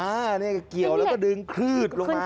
อันนี้ก็เกี่ยวแล้วก็ดึงคลืดลงมา